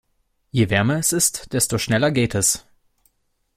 Je wärmer es ist, desto schneller geht es.